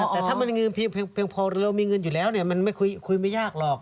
แต่ถ้ามันมีเงินเพียงพอเรามีเงินอยู่แล้วมันคุยไม่ยากหรอก